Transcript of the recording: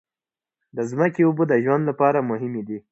د ځمکې اوبو د ژوند لپاره مهمې دي.